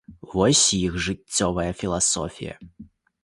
Вось іх жыццёвая філасофія.